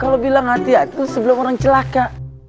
kalau bilang hati hati sebelum orang celaka